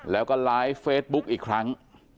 แล้วก็ไลฟ์เฟซบุ๊กอีกครั้ง